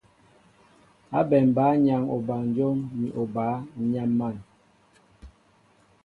Ábɛm bǎyaŋ obanjóm ni obǎ, ǹ yam̀an !